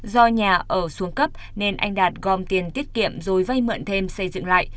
do nhà ở xuống cấp nên anh đạt gom tiền tiết kiệm rồi vay mượn thêm xây dựng lại